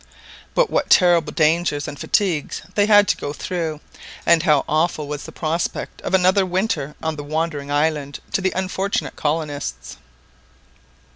But what terrible dangers and fatigues they had to go through, and how awful was the prospect of another winter on the wandering island to the unfortunate colonists!